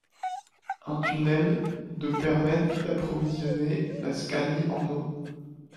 Un tunnel de permet d'approvisionner la Scanie en eau.